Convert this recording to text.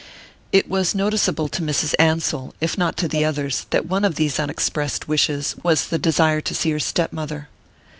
It was noticeable to Mrs. Ansell, if not to the others, that one of these unexpressed wishes was the desire to see her stepmother.